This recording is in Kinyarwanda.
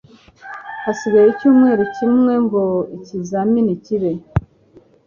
Hasigaye icyumweru kimwe ngo ikizamini kibe.